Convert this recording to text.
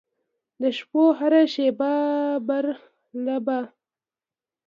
د شپو هره شیبه برالبه